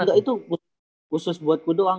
enggak itu khusus buat ku doang